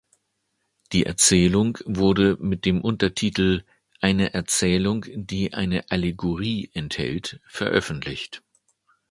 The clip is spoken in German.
Die Erzählung wurde mit dem Untertitel „Eine Erzählung, die eine Allegorie enthält“, veröffentlicht.